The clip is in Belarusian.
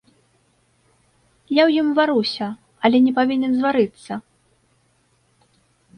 Я ў ім варуся, але не павінен зварыцца!